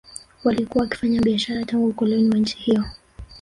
Walikuwa wakifanya biashara tangu ukoloni wa nchi hiyo